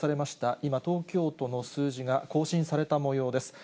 今、東京都の数字が更新されたもようです。